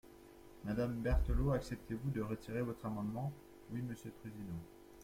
Madame Berthelot, acceptez-vous de retirer votre amendement ? Oui, monsieur le président.